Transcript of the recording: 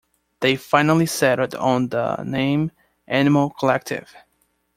They finally settled on the name "Animal Collective".